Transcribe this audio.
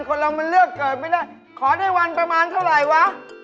คนเรามันเลือกเกิดไม่ได้ขอได้วันประมาณเท่าไหร่วะ